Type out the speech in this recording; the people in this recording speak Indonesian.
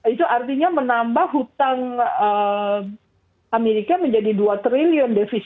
itu artinya menambah hutang amerika menjadi dua triliun defisit